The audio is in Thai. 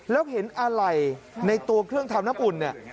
แล้วเห็นอะไรในตัวเครื่องทำน้ำอุ่นเนี่ย